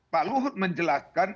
pak luhut menjelaskan